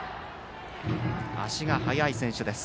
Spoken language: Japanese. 足が速い選手です。